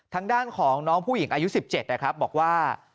ทางด้านของน้องผู้หญิงอายุ๑๗นะครับบอกว่า